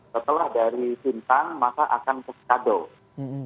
setelah dari simpang maka akan ke sekadau